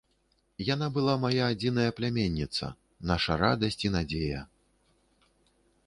Яна была мая адзіная пляменніца, наша радасць і надзея.